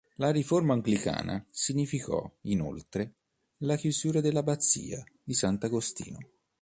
La riforma anglicana significò, inoltre, la chiusura dell'abbazia di sant'Agostino.